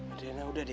adriana udah deh